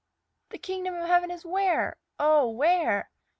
The kingdom of heaven is where? Oh, where?